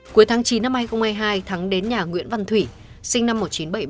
cuối tháng chín năm hai nghìn hai mươi hai thắng đến nhà nguyễn văn thủy sinh năm một nghìn chín trăm bảy mươi ba